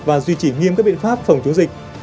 và duy trì nghiêm các biện pháp phòng chống dịch